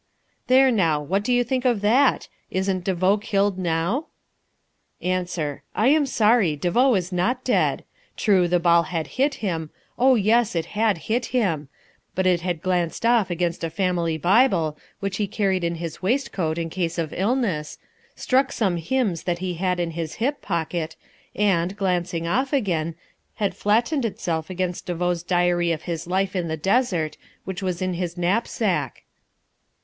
There now, what do you think of that? Isn't De Vaux killed now? Answer. I am sorry. De Vaux is not dead. True, the ball had hit him, oh yes, it had hit him, but it had glanced off against a family Bible, which he carried in his waistcoat in case of illness, struck some hymns that he had in his hip pocket, and, glancing off again, had flattened itself against De Vaux's diary of his life in the desert, which was in his knapsack.